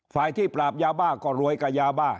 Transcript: ฝ่ายที่ปราบยาบ้าก็รวยกับยาบ้า